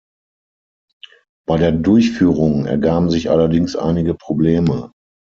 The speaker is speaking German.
Bei der Durchführung ergaben sich allerdings einige Probleme.